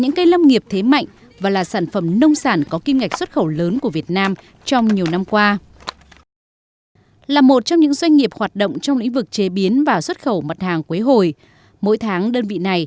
nhưng đến thời điểm hiện tại thì chúng tôi đã tăng cái con số xuất khẩu vào thị trường châu âu và thị trường mỹ lên đến ba mươi và bốn mươi